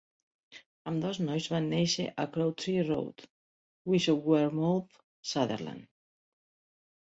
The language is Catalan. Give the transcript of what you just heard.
Ambdós nois van néixer a Crowtree Road, Bishopwearmouth, Sunderland.